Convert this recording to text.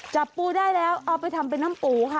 จับปูได้แล้วเอาไปทำเป็นน้ำปูค่ะ